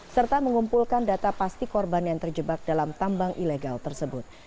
serta mengumpulkan data pasti korban yang terjebak dalam tambang ilegal tersebut